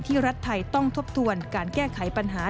รัฐไทยต้องทบทวนการแก้ไขปัญหา